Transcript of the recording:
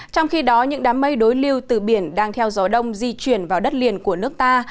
trong khi đó những đám mây đối lưu từ biển đang theo gió đông di chuyển vào đất liền của nước ta